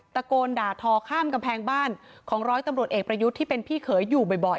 ตะโกนด่าทอข้ามกำแพงบ้านของร้อยตำรวจเอกประยุทธ์ที่เป็นพี่เขยอยู่บ่อย